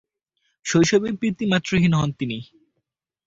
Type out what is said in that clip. শৈশবেই পিতৃ-মাতৃহীন হন তিনি।